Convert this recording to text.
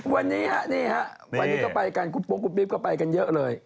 วันนี้ฮะวันนี้ก็ไปกันพลิพศ์ก็ไปกันเยอะเลย